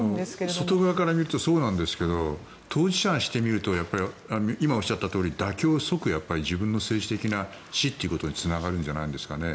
外側から見るとそうなんですけど当事者にしてみると今おっしゃったとおり妥協は即自分の政治的な死ということにつながるんじゃないですかね。